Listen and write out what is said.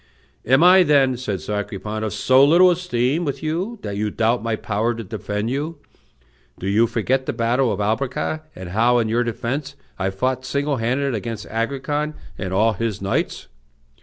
"Am I, then," said Sacripant, "of so little esteem with you that you doubt my power to defend you? Do you forget the battle of Albracca, and how, in your defence, I fought single handed against Agrican and all his knights?"